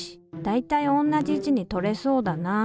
大体同じ位置にとれそうだな。